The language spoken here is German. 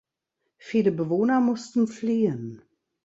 Viele Bewohner mussten fliehen.